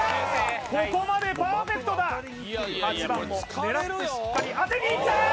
ここまでパーフェクトだ８番も狙ってしっかり当てにいった！